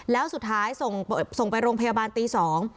แล้วสุดท้ายส่งไปโรงพยาบาลตี๒